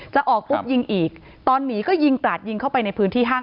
จะออกปุ๊บยิงอีกตอนหนีก็ยิงกราดยิงเข้าไปในพื้นที่ห้าง